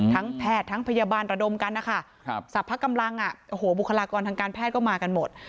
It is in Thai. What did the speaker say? แพทย์ทั้งพยาบาลระดมกันนะคะสรรพกำลังอ่ะโอ้โหบุคลากรทางการแพทย์ก็มากันหมด